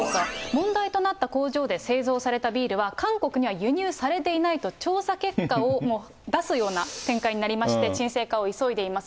問題となった工場で製造されたビールは、韓国には輸入されていないと調査結果を出すような展開になりまして、沈静化を急いでいます。